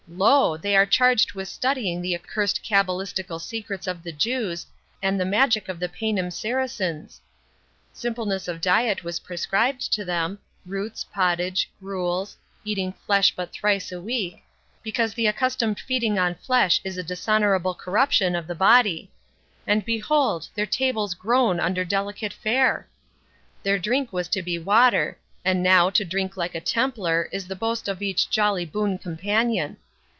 Lo! they are charged with studying the accursed cabalistical secrets of the Jews, and the magic of the Paynim Saracens. Simpleness of diet was prescribed to them, roots, pottage, gruels, eating flesh but thrice a week, because the accustomed feeding on flesh is a dishonourable corruption of the body; and behold, their tables groan under delicate fare! Their drink was to be water, and now, to drink like a Templar, is the boast of each jolly boon companion!